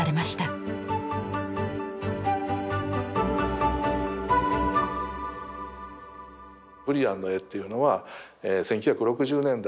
ブリアンの絵というのは１９６０年代に日本にですね